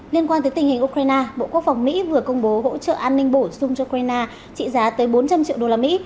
liên quan tới tình hình ukraine bộ quốc phòng mỹ vừa công bố hỗ trợ an ninh bổ sung cho ukraine trị giá tới bốn trăm linh triệu usd